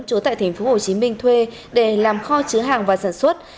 trú tại tp hcm thuê để làm kho chứa hàng và sản xuất